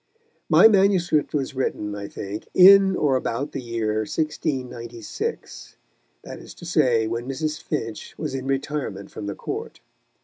My manuscript was written, I think, in or about the year 1696 that is to say, when Mrs. Finch was in retirement from the Court.